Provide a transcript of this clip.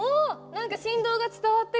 何か振動が伝わってくる！